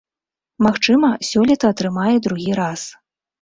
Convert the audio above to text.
Магчыма, сёлета атрымае другі раз.